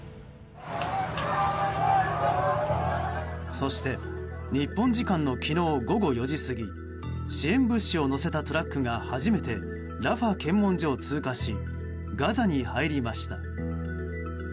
そして日本時間の昨日午後４時過ぎ支援物資を載せたトラックが初めてラファ検問所を通過しガザに入りました。